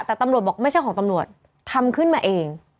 แต่ตำรวจบอกไม่ใช่ของตำรวจทำขึ้นมาเอง